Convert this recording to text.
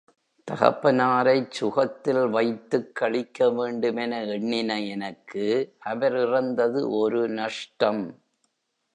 தகப்பனாரைச் சுகத்தில் வைத்துக் களிக்க வேண்டுமென எண்ணின எனக்கு அவர் இறந்தது ஒரு நஷ்டம்.